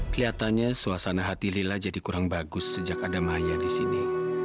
kelihatannya suasana hati lila jadi kurang bagus sejak ada maya di sini